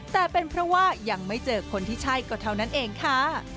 แต่เป็นเพราะว่ายังไม่เจอคนที่ใช่ก็เท่านั้นเองค่ะ